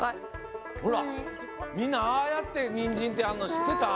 ほらみんなああやってニンジンってあるのしってた？